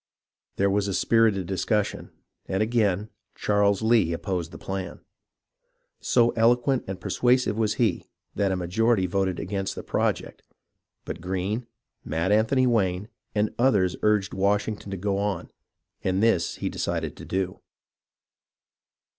There was a spirited discussion, and again Charles Lee opposed the plan. So eloquent and persuasive was he that a majority voted against the project ; but Greene, Mad Anthony Wayne, and others urged Washington to go on, and this he de cided to do.